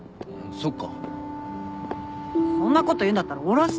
そんなこと言うんだったら下ろして！